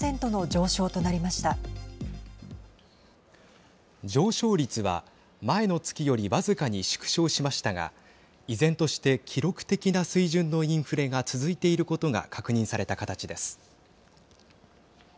上昇率は前の月より僅かに縮小しましたが依然として記録的な水準のインフレが続いていることが確認された形です。